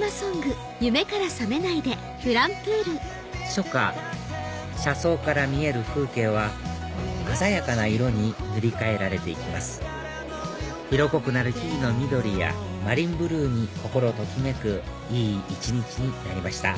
初夏車窓から見える風景は鮮やかな色に塗り替えられて行きます色濃くなる木々の緑やマリンブルーに心ときめくいい一日になりました